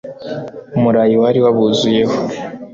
umurayi wari wabuzuyeho